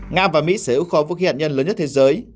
nga và mỹ sẽ ưu khó vũ khí hạt nhân lớn nhất thế giới